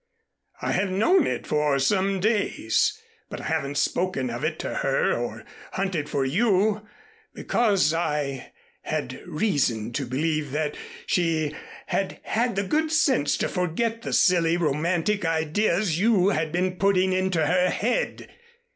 I have known it for some days, but I haven't spoken of it to her or hunted for you because I had reason to believe that she had had the good sense to forget the silly romantic ideas you had been putting into her head.